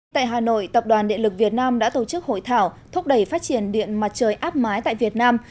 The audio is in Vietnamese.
tại hà nội tập đoàn điện lực việt nam đã tổ chức hội thảo thúc đẩy phát triển điện mặt trời áp mái tại việt nam